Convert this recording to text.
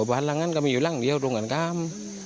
วันหลังนั้นก็มีอยู่หลังเดียวตรงกันข้าม